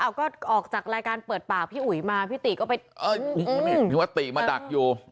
เอาก็ออกจากรายการเปิดปากพี่อุ๋ยมาพี่ติก็ไปเออนี่ว่าติมาดักอยู่